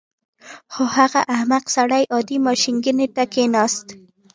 خو هغه احمق سړی عادي ماشینګڼې ته کېناست